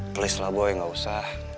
please lah boy gak usah